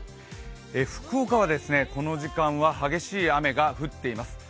福岡はこの時間は激しい雨が降っています。